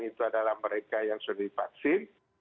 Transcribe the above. itu adalah mereka yang sudah divaksin